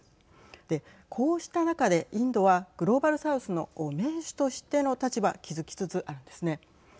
で、こうした中でインドはグローバル・サウスの盟主としての立場築きつつあるんですね。